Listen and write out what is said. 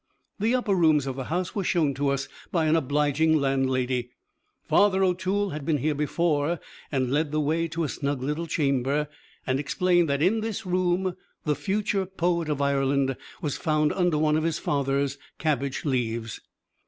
The upper rooms of the house were shown to us by an obliging landlady. Father O'Toole had been here before, and led the way to a snug little chamber and explained that in this room the future poet of Ireland was found under one of his father's cabbage leaves.